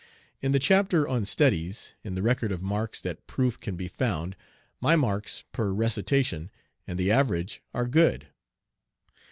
In the chapter on "Studies," in the record of marks that proof can be found, my marks per recitation, and the average are good.